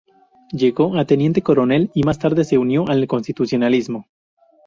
Llegó a Teniente Coronel y más tarde se unió al constitucionalismo.